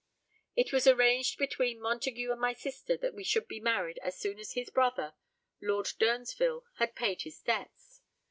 It was arranged between Montague and my sister that we should be married as soon as his brother, Lord Durnsville, had paid his debts.